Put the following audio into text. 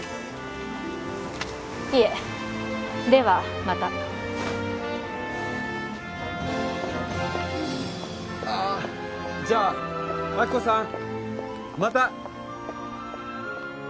いえではまたああじゃあ亜希子さんまた！